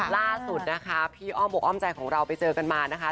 ล่าสุดนะคะพี่อ้อมบกอ้อมใจของเราไปเจอกันมานะคะ